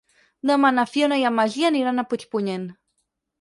Demà na Fiona i en Magí aniran a Puigpunyent.